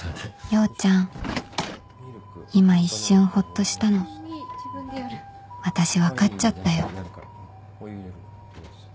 陽ちゃん今一瞬ほっとしたの私分かっちゃったよ